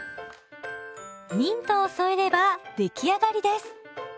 ミントを添えれば出来上がりです！